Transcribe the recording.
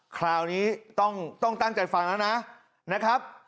คราวนี้ต้องตั้งใจฟังแล้วนะนะครับ